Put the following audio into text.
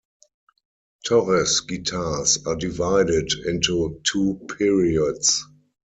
Torres guitars are divided into two periods.